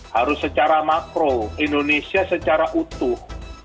harus secara makro indonesia secara utuh